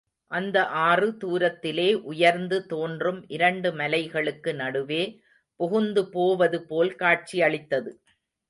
அந்த ஆறு தூரத்திலே உயர்ந்து தோன்றும் இரண்டு மலைகளுக்கு நடுவே புகுந்து போவது போல் காட்சி அளித்தது.